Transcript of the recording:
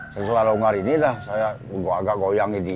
setelah longgar ini dah saya agak goyang ini